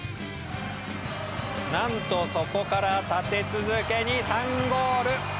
なんとそこから立て続けに３ゴール！